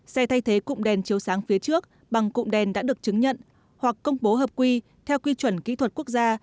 xe thay thế cụm đèn chiếu sáng phía trước bằng cụm đèn đã được chứng nhận hoặc công bố hợp quy theo quy chuẩn kỹ thuật quốc gia